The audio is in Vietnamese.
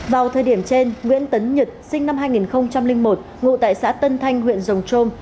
vào thời điểm trên nguyễn tấn nhật sinh năm hai nghìn một ngụ tại xã tân thanh huyện rồng trôm